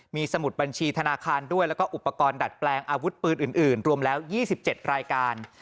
มีสมุดบัญชีธนาคารด้วยแล้วก็อุปกรณ์ดัดแปลงอาวุธปืนอื่นรวมแล้ว๒๗รายการ